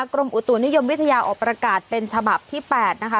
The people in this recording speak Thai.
กรมอุตุนิยมวิทยาออกประกาศเป็นฉบับที่๘นะคะ